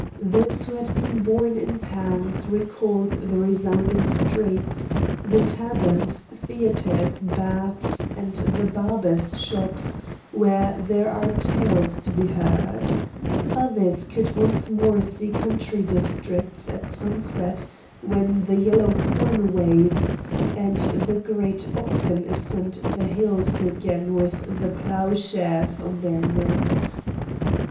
Those who had been born in towns recalled the resounding streets, the taverns, theatres, baths, and the barbers' shops where there are tales to be heard. Others could once more see country districts at sunset, when the yellow corn waves, and the great oxen ascend the hills again with the ploughshares on their necks.